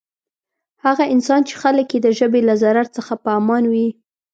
هغه انسان چی خلک یی د ژبی له ضرر څخه په امان وی.